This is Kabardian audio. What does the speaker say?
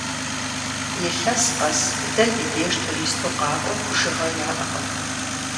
Илъэс къэс дэ ди деж туристу къакӀуэм бжыгъэ яӀэкъым.